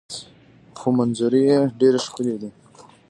خو منظرې یې ډیرې ښکلې دي.